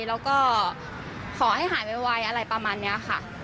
แล้วก็ขอให้หายไวอะไรประมาณนี้ค่ะ